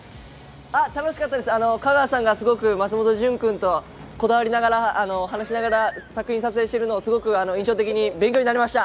楽しかったです、香川さんがすごく松本潤君とこだわりながら話しながら作品を撮影しているのをすごく印象的に、勉強になりました。